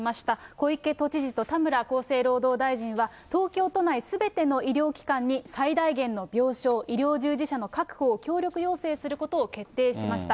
小池都知事と田村厚生労働大臣は、東京都内すべての医療機関に最大限の病床、医療従事者の確保を、協力要請することを決定しました。